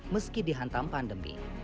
meski dihantam pandemi